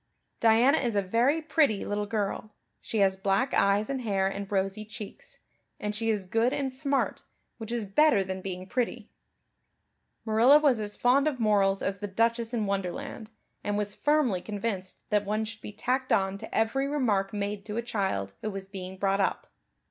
"Diana is a very pretty little girl. She has black eyes and hair and rosy cheeks. And she is good and smart, which is better than being pretty." Marilla was as fond of morals as the Duchess in Wonderland, and was firmly convinced that one should be tacked on to every remark made to a child who was being brought up.